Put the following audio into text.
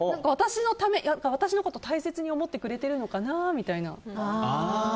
私のこと大切に思ってくれてるのかなみたいな。